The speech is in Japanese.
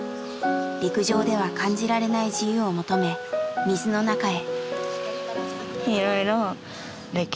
陸上では感じられない自由を求め水の中へ。